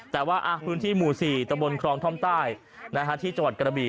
แต่ว่าพื้นที่หมู่๔ตะบนครองท่อมใต้ที่จังหวัดกระบี